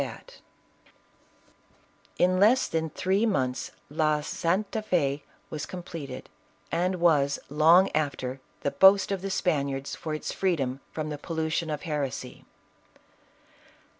115 bat In less than three months, La Santa ¥6 was com pleted, and was, long after, the boast of the Spaniards, for its freedom from the pollution of heresy.